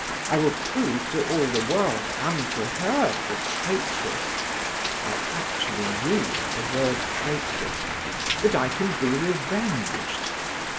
I will prove to all the world and to her, the traitress (I actually used the word "traitress") that I can be revenged!"